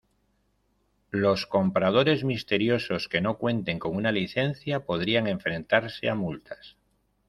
Los compradores misteriosos que no cuenten con una licencia podrían enfrentarse a multas.